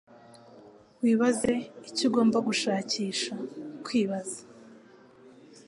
Wibaze icyo ugomba gushakisha; kwibaza,